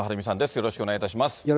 よろしくお願いします。